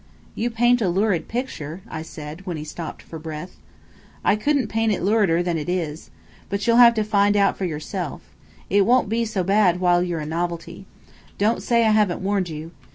"You paint a lurid picture" I said, when he stopped for breath. "I couldn't paint it lurider than it is. But you'll have to find out for yourself. It won't be so bad while you're a novelty. Don't say I haven't warned you.